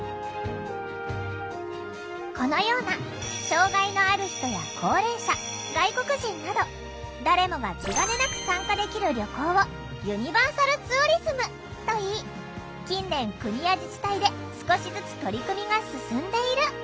このような障害のある人や高齢者外国人など誰もが気がねなく参加できる旅行を「ユニバーサルツーリズム」といい近年国や自治体で少しずつ取り組みが進んでいる。